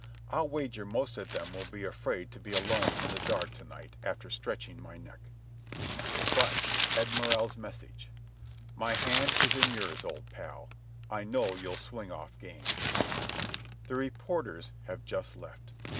I'll wager most of them will be afraid to be alone in the dark to night after stretching my neck. But Ed Morrell's message: "My hand is in yours, old pal. I know you'll swing off game." ... The reporters have just left.